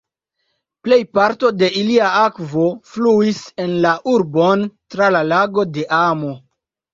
Plejparto de ilia akvo fluis en la urbon tra la Lago de Amo.